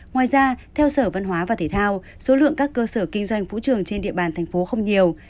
ngoài ra theo sở văn hóa và thể thao số lượng các cơ sở kinh doanh vũ trường trên địa bàn thành phố không nhiều